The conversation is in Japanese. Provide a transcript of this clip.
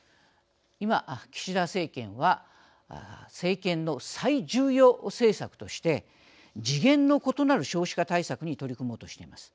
今、岸田政権は政権の最重要政策として次元の異なる少子化対策に取り組もうとしています。